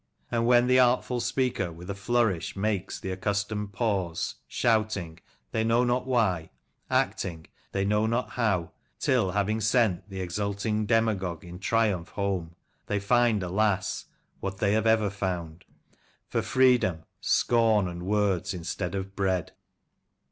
And, when The artful speaker with a flourish makes The accustomed pause, shouting, they know not why, Acting, they know not how — till, having sent The exulting demagogue in triumph home, They find, alas ! what they have ever found, For freedom — ^scom, and words instead of bread."